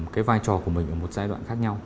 cái vai trò của mình ở một giai đoạn khác nhau